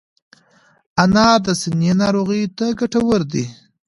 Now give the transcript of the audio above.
انار د سینې ناروغیو ته ګټور دی.